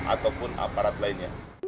ataupun aparat lainnya